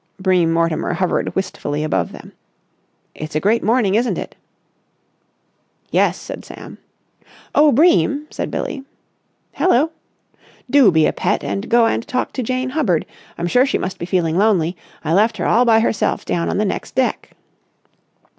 Bream Mortimer hovered wistfully above them. "It's a great morning, isn't it?" "Yes," said Sam. "Oh, Bream!" said Billie. "Hello?" "Do be a pet and go and talk to Jane Hubbard. I'm sure she must be feeling lonely. I left her all by herself down on the next deck."